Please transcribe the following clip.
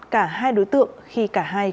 cả hai đối tượng khi cả hai